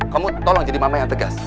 kamu tolong jadi mama yang tegas